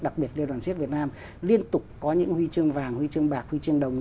đặc biệt đoàn chiếc việt nam liên tục có những huy chương vàng huy chương bạc huy chương đồng